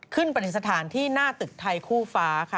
ขึ้นประเด็นสถานที่หน้าตึกไทยคู่ฟ้า